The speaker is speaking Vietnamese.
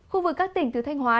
khu vực các tỉnh từ thanh hóa